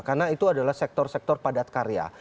karena itu adalah sektor sektor padat karya